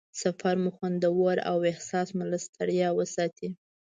سفر مو خوندور او احساس مو له ستړیا وساتي.